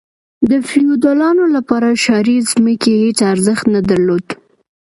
د فیوډالانو لپاره شاړې ځمکې هیڅ ارزښت نه درلود.